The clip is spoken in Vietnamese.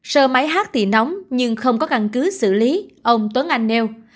sơ máy hát thì nóng nhưng không có căn cứ xử lý ông tuấn anh nêu